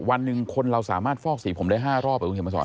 วันหนึ่งคนเราสามารถฟอกสีผมได้๕รอบคุณเขียนมาสอน